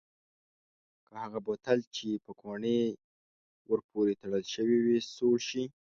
که هغه بوتل چې پوکڼۍ ور پورې تړل شوې سوړ شي؟